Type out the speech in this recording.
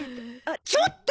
ちょっと！